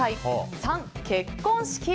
３、結婚式。